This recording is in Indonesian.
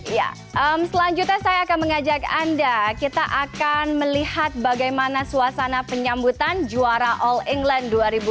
ya selanjutnya saya akan mengajak anda kita akan melihat bagaimana suasana penyambutan juara all england dua ribu dua puluh